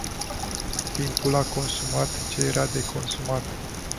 Timpul a consumat ce era de consumat.